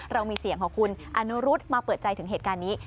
เรามีเสียงของคุณอนุรุษมาเปิดใจถึงเหตุการณ์นี้